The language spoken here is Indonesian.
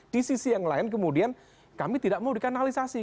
di sisi yang lain kemudian kami tidak mau dikanalisasi